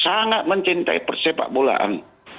sangat mencintai persepak bolaan